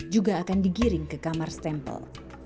juga akan digiring ke kamar stempel